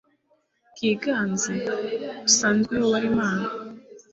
bwiganze busanzwe uyobora inama